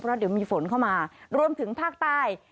เพราะเดี๋ยวมีฝนเข้ามารวมถึงภาคใต้